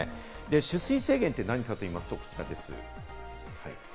取水制限って何かといいますと、こちらです。